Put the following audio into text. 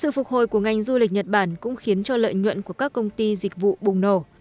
sự phục hồi của ngành du lịch nhật bản cũng khiến cho lợi nhuận của các công ty dịch vụ bùng nổ